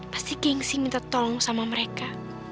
pasti gengsi minta tolong sama mereka